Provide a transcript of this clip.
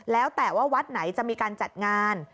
แล้วแต่ว่าวัดไหนจะมีการจัดงาน